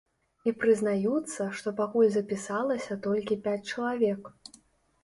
І прызнаюцца, што пакуль запісалася толькі пяць чалавек.